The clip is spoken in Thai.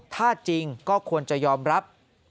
ถ้าจริงก็ควรจะยอมรับ